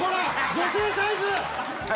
女性サイズ！